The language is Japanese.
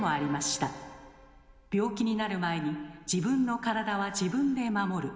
病気になる前に自分の体は自分で守る。